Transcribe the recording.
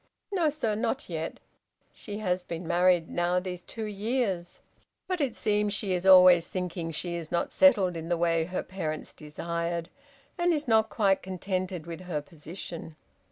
"No, sir, not yet; she has been married now these two years, but it seems she is always thinking she is not settled in the way her parents desired, and is not quite contented with her position."